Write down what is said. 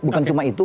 bukan cuma itu